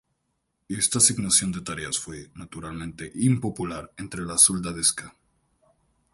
Esta asignación de tareas fue, naturalmente, impopular entre la soldadesca.